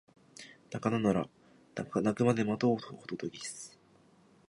鳴かぬなら鳴くまで待とうホトトギス